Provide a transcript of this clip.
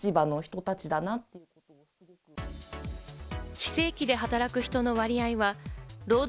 非正規で働く人の割合は労働